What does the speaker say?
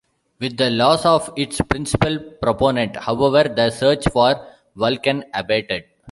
With the loss of its principal proponent, however, the search for Vulcan abated.